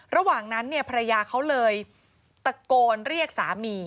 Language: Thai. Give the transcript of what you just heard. ระหว่างนั้นเนี่ยภรรยาเขาเลยตะโกนเรียกสามี